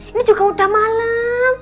ini juga udah malam